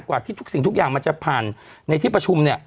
กว่าที่ทุกสิ่งทุกอย่างมันจะผ่านในที่ประชุมเนี่ย